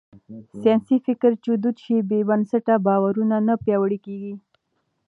ساينسي فکر چې دود شي، بې بنسټه باورونه نه پياوړي کېږي.